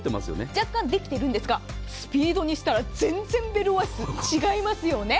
若干できているんですがスピードにしたら全然ベルオアシス違いますよね。